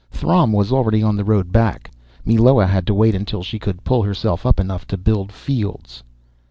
Throm was already on the road back. Meloa had to wait until she could pull herself up enough to build fields.